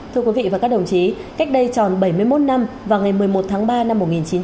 thưa quý vị và các đồng chí cách đây tròn bảy mươi một năm và ngày một mươi một tháng ba năm một nghìn chín trăm bốn mươi tám